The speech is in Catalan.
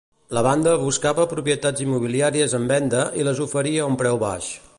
La banda buscava propietats immobiliàries en venda i les oferia a un preu baix.